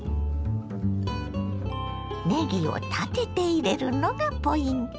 ねぎを立てて入れるのがポイント。